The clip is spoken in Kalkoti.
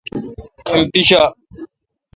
ایم پیݭا ۔